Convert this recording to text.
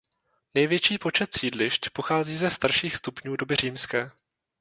Největší počet sídlišť pochází ze starších stupňů doby římské.